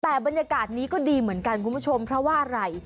แต่บรรยากาศนี้ก็ดีเหมือนกันคุณผู้ชมเพราะว่าอะไร